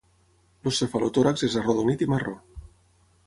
El cefalotòrax és arrodonit i marró.